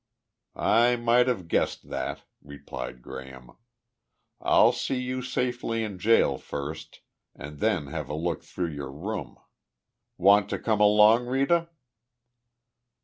"I might have guessed that," replied Graham. "I'll see you safely in jail first and then have a look through your room. Want to come along, Rita?"